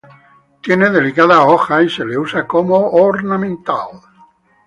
Tiene delicadas hojas y se la usa como ornamental.